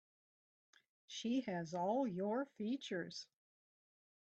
She has all your features.